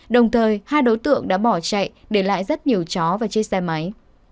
đồng thời hai đối tượng đã bỏ chạy để lại rất nhiều chó và chiếc xe máy